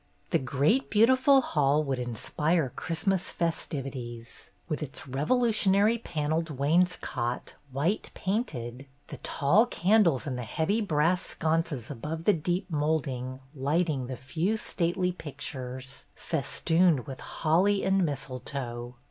The great beautiful hall would inspire Christmas festivities, with its Revolutionary panelled wainscot, white painted, the tall can dles in the heavy brass sconces above the deep moulding lighting the few stately pictures, festooned with holly and mistletoe.